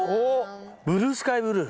ブルースカイブルー。